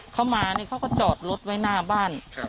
เขามาจอดรถรับรถกลับไปบ้าน